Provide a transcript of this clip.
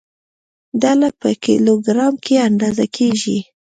ډله په کیلوګرام کې اندازه کېږي.